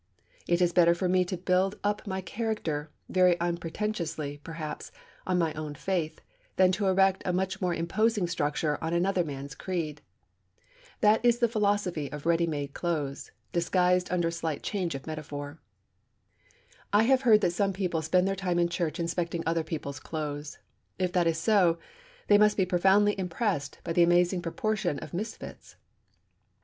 It is better for me to build up my character, very unpretentiously, perhaps, on my own faith, than to erect a much more imposing structure on another man's creed. That is the philosophy of ready made clothes, disguised under a slight change of metaphor. I have heard that some people spend their time in church inspecting other people's clothes. If that is so, they must be profoundly impressed by the amazing proportion of misfits.